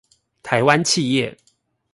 台灣企業